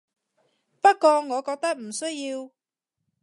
不過我覺得唔需要